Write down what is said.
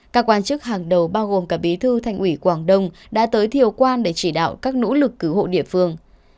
các quan chức hàng đầu bao gồm cả bí thư thành ủy quảng đông đã tới thiều quan để chỉ đạo các nỗ lực cứu hộ địa phương